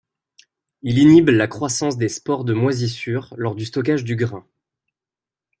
Il inhibe la croissance des spores de moisissure lors du stockage du grain.